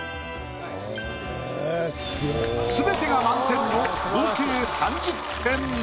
全てが満点の合計３０点。